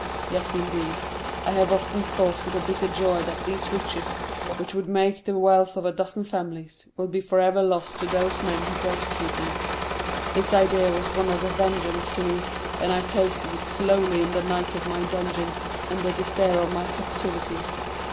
Yes, indeed, I have often thought with a bitter joy that these riches, which would make the wealth of a dozen families, will be forever lost to those men who persecute me. This idea was one of vengeance to me, and I tasted it slowly in the night of my dungeon and the despair of my captivity.